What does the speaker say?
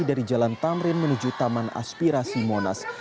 dari jalan tamrin menuju taman aspirasi monas